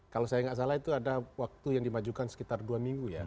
kalau saya nggak salah itu ada waktu yang dimajukan sekitar dua minggu ya